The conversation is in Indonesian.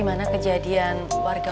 makasih banyak ya